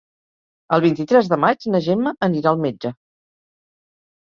El vint-i-tres de maig na Gemma anirà al metge.